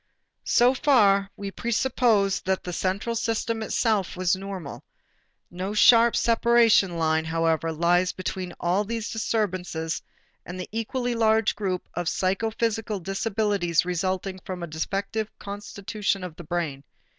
So far we presupposed that the central system itself was normal. No sharp separation line, however, lies between all these disturbances and the equally large group of psychophysical disabilities resulting from a defective constitution of the brain.